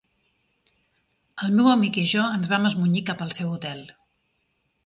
El meu amic i jo ens vam esmunyir cap al seu hotel